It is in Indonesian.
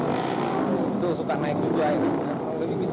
itu suka naik hujan ya